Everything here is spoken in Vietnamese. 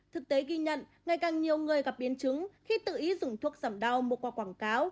thực tế ghi nhận ngày càng nhiều người gặp biến chứng khi tự ý dùng thuốc giảm đau mua qua quảng cáo